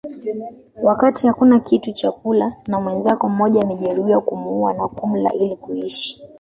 Wakati hakuna kitu cha kula na mwenzako mmoja amejeruhiwa kumuua na kumla ili kuishi